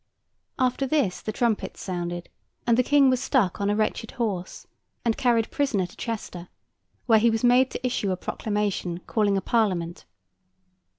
After this, the trumpets sounded, and the King was stuck on a wretched horse, and carried prisoner to Chester, where he was made to issue a proclamation, calling a Parliament.